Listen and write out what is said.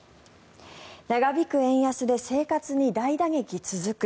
長引く円安で生活に大打撃続く。